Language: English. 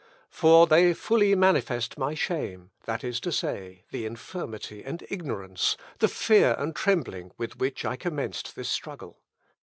For they fully manifest my shame; that is to say, the infirmity and ignorance, the fear and trembling, with which I commenced this struggle.